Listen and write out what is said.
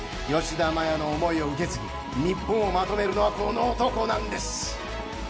吉田麻也の思いを受け継ぎ日本をまとめるのはこの男なんです。